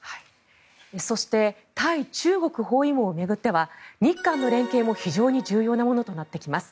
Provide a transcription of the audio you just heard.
そして対中国包囲網を巡っては日韓の連携も非常に重要なものとなってきます。